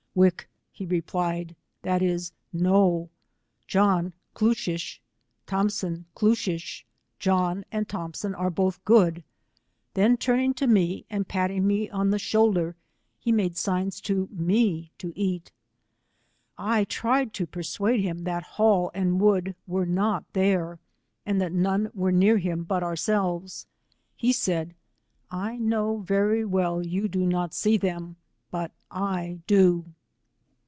fVikj he replied, that is, no, John klushish — TJiompson klushish — John and Thompson are both good; t>.ea turning to me, and patting me on the shoulder, he made signs to me to eat. I tried to persuade him that Hall and Wood were not there, and that none were near him but ourselves : he said, I know very well you do not see them, but £ do.